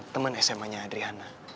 temen sma nya adriana